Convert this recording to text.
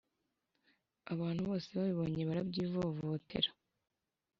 Abantu bose babibonye barabyivovotera